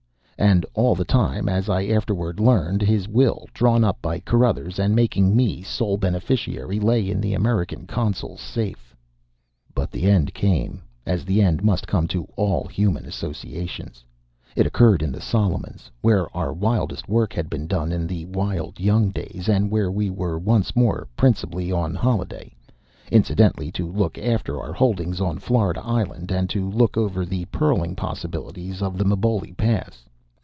And all the time, as I afterwards learned, his will, drawn up by Carruthers, and making me sole beneficiary, lay in the American consul's safe. But the end came, as the end must come to all human associations. It occurred in the Solomons, where our wildest work had been done in the wild young days, and where we were once more principally on a holiday, incidentally to look after our holdings on Florida Island and to look over the pearling possibilities of the Mboli Pass.